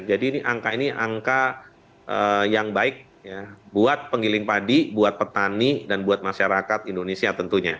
jadi angka ini angka yang baik buat pengiling padi buat petani dan buat masyarakat indonesia tentunya